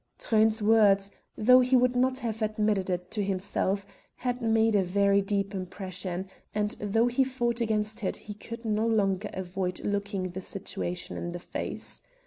Truyn's words, though he would not have admitted it to himself, had made a very deep impression, and though he fought against it he could no longer avoid looking the situation in the face.